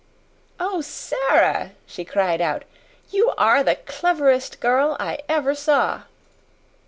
"Oh, Sara!" she cried out. "You are the cleverest girl I ever saw!"